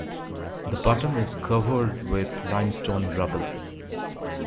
The bottom is covered with limestone rubble.